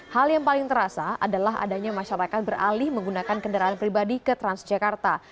hal yang paling terasa adalah adanya masyarakat beralih menggunakan kendaraan pribadi ke transjakarta